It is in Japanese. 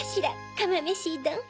かまめしどん。